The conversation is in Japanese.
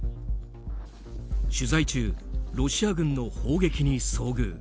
取材中、ロシア軍の砲撃に遭遇。